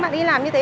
bạn ấy làm như thế